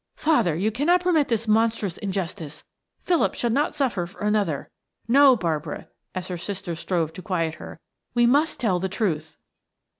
"Father! You cannot permit this monstrous injustice, Philip shall not suffer for another. No, Barbara," as her sister strove to quiet her, "we must tell the truth."